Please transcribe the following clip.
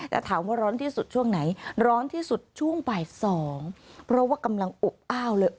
แต่ถามว่าร้อนที่สุดช่วงไหนร้อนที่สุดช่วงบ่ายสองเพราะว่ากำลังอบอ้าวเลย